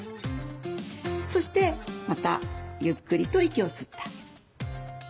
そしてまたゆっくりと息を吸ってあげる。